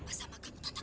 venes ada apa kau di sini